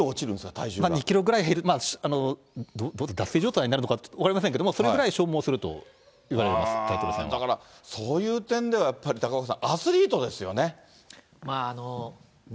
体重２キロぐらい減る、脱水状態になるのか分かりませんけれども、それぐらい消耗すると言われます、だから、そういう点ではやっぱり高岡さん、アスリートですよね。